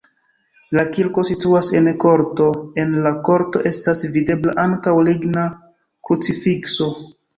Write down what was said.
La kirko situas en korto, en la korto estas videbla ankaŭ ligna krucifikso.